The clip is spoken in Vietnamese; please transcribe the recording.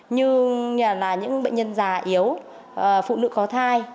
như là những bệnh nhân già yếu phụ nữ có thai